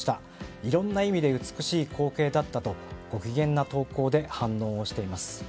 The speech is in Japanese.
いろんな意味で美しい光景だったとご機嫌な投稿で反応をしています。